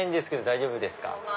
大丈夫ですよ。